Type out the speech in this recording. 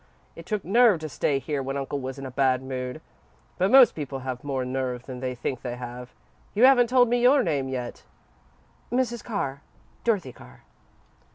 It took nerve to stay here when uncle was in a bad mood, but most people have more nerve than they think they have. You haven't told me your name yet." "Mrs. Carr Dorothy Carr."